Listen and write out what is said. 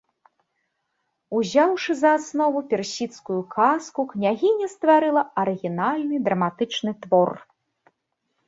Узяўшы за аснову персідскую казку, княгіня стварыла арыгінальны драматычны твор.